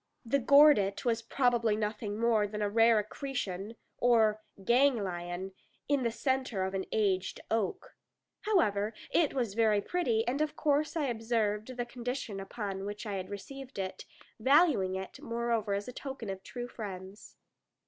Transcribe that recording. The "gordit" was probably nothing more than a rare accretion, or ganglion, in the centre of an aged oak. However, it was very pretty; and of course I observed the condition upon which I had received it, valuing it moreover as a token of true friends.